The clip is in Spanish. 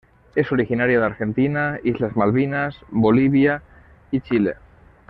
Es originaria de Argentina, islas Malvinas, Bolivia y Chile.